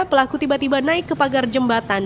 pelaku tiba tiba naik ke pagar jembatan